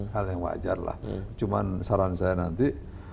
hal yang wajar lah cuman saran saya nanti